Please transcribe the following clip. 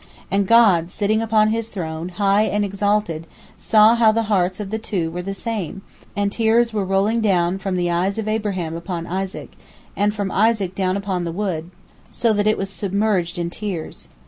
And God, sitting upon His throne, high and exalted, saw how the hearts of the two were the same, and tears were rolling down from the eyes of Abraham upon Isaac, and from Isaac down upon the wood, so that it was submerged in tears.